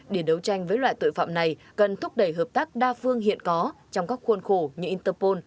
để đấu tranh với loại tội phạm này cần thúc đẩy hợp tác đa phương hiện có trong các khuôn khổ như interpol